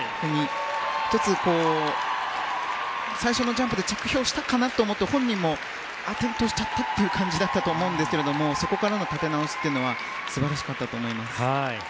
１つ、最初のジャンプで着氷したかなと思って本人も転倒しちゃったという感じだったんですけどそこからの立て直しは素晴らしかったと思います。